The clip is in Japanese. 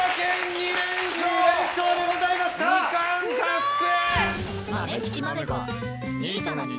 ２冠達成！